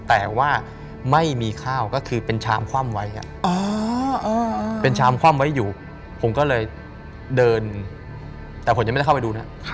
แต่ว่าไม่มีข้าวก็คือเป็นชามคว่ำไว้เป็นชามคว่ำไว้อยู่ผมก็เลยเดินแต่ผมยังไม่ได้เข้าไปดูนะ